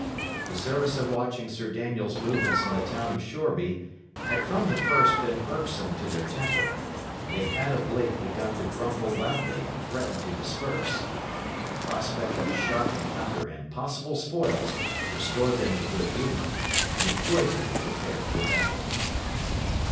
The service of watching Sir Daniel's movements in the town of Shoreby had from the first been irksome to their temper, and they had of late begun to grumble loudly and threaten to disperse. The prospect of a sharp encounter and possible spoils restored them to good humour, and they joyfully prepared for battle.